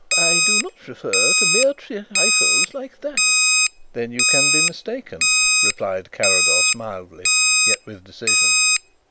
"I do not refer to mere trifles like that." "Then you can be mistaken," replied Carrados mildly yet with decision.